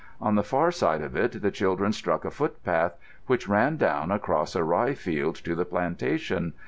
On the far side of it the children struck a footpath which ran down across a rye field to the plantation.